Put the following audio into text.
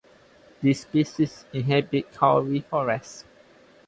This species inhabits kauri forests.